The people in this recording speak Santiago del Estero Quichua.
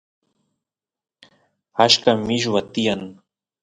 achka milluwa tiyan